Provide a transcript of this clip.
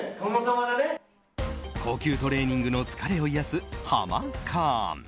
高級トレーニングの疲れを癒やすハマカーン。